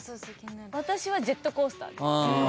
私はジェットコースターです。